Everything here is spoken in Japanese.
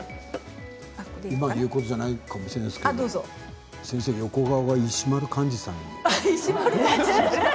今、言うことじゃないかもしれないですけれども先生、横顔が石丸幹二さんに。